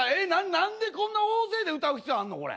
何でこんな大勢で歌う必要あんのこれ。